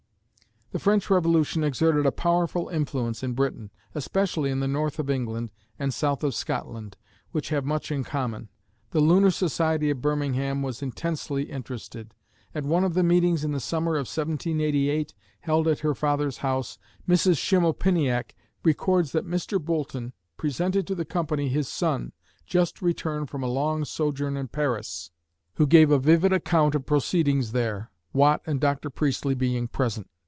The French Revolution exerted a powerful influence in Britain, especially in the north of England and south of Scotland, which have much in common. The Lunar Society of Birmingham was intensely interested. At one of the meetings in the summer of 1788, held at her father's house, Mrs. Schimmelpenniack records that Mr. Boulton presented to the company his son, just returned from a long sojourn in Paris, who gave a vivid account of proceedings there, Watt and Dr. Priestly being present.